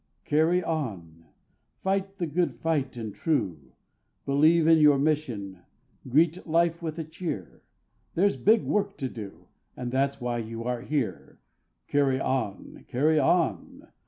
Carry on! Fight the good fight and true; Believe in your mission, greet life with a cheer; There's big work to do, and that's why you are here. Carry on! Carry on!